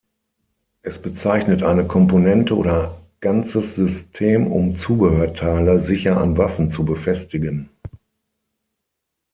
Es bezeichnet eine Komponente oder ganzes System, um Zubehörteile sicher an Waffen zu befestigen.